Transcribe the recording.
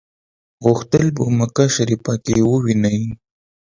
غوښتل په مکه شریفه کې وویني.